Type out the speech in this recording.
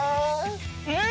うん！